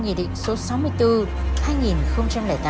nghị định số sáu mươi bốn